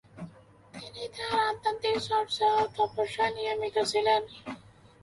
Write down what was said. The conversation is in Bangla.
তিনি তাঁর আধ্যাত্মিক চর্চা ও তপস্যায় নিয়মিত ছিলেন।